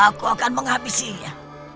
aku akan menghabisinya